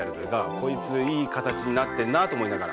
こいついい形になってんなと思いながら。